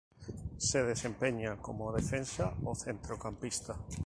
Se desempeñaba como defensa o centrocampista.